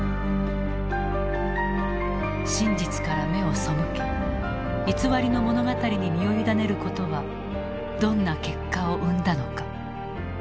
真実から目を背け偽りの物語に身を委ねることはどんな結果を生んだのか。